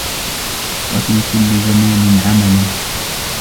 وَفِي كُلِّ زَمَانٍ عَمَلًا